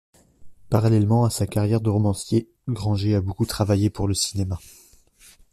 Parallèlement à sa carrière de romancier, Grangé a beaucoup travaillé pour le cinéma.